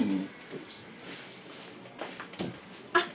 あっ！